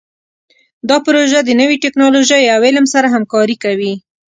دا پروژه د نوي ټکنالوژۍ او علم سره همکاري کوي.